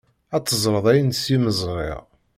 Ad teẓreḍ ayen seg-m ẓriɣ.